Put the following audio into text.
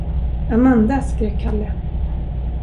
Amanda! skrek Kalle.